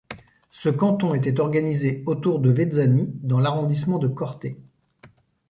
Ce canton était organisé autour de Vezzani dans l'arrondissement de Corte.